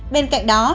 bên cạnh đó